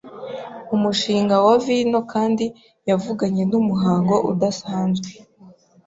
umushinga wa vino kandi yavuganye numuhango udasanzwe.